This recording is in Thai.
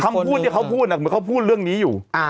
คำพูดที่เขาพูดเหมือนเขาพูดเรื่องนี้อยู่